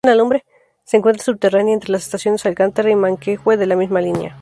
Se encuentra subterránea, entre las estaciones Alcántara y Manquehue de la misma línea.